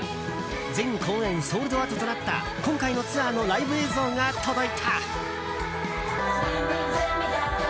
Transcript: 全公演ソールドアウトとなった今回のツアーのライブ映像が届いた。